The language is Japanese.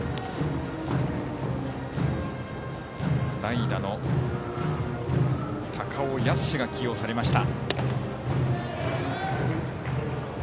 代打の高尾靖が起用されました。